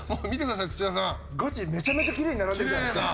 ガチめちゃめちゃきれいに並んでるじゃないですか。